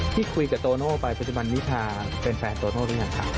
ที่คุยกับโตโน่ไปปัจจุบันนิพาเป็นแฟนโตโน่หรือยังคะ